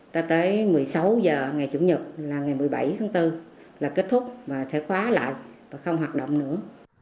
cho tới một mươi sáu h ngày chủ nhật là ngày một mươi bảy tháng bốn là kết thúc và sẽ khóa lại và không hoạt động nữa